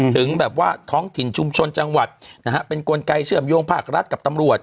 ถึงแบบว่าท้องถิ่นชุมชนจังหวัดนะฮะเป็นกลไกเชื่อมโยงภาครัฐกับตำรวจ